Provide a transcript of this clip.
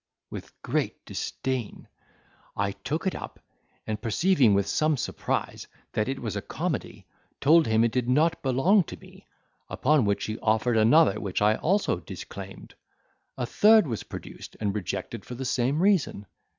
with great disdain. I took it up, and perceiving with some surprise, that it was a comedy, told him it did not belong to me; upon which he offered another which I also disclaimed. A third was produced, and rejected for the same reason.